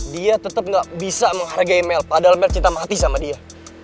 dia tetep nggak bisa menghargai mel padahal mel cinta mati sama dia